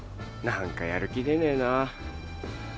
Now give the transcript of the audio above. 何かやる気出ねえなぁ。